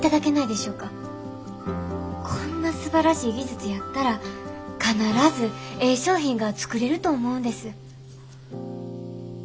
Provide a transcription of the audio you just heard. こんなすばらしい技術やったら必ずええ商品が作れると思うんです。